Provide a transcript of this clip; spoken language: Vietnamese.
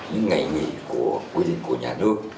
những ngày nghỉ của quý vị của nhà nước